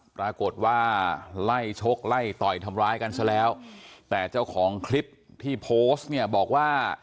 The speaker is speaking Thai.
ปรากฏว่าไล่ชกไล่ต่อยทำร้ายกันซะแล้วแต่เจ้าของคลิปที่โพสต์เนี่ยบอกว่า